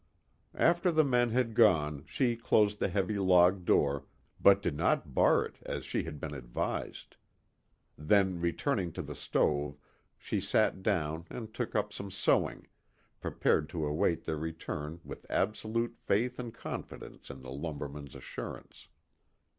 After the men had gone she closed the heavy log door but did not bar it as she had been advised; then, returning to the stove, she sat down and took up some sewing, prepared to await their return with absolute faith and confidence in the lumberman's assurance.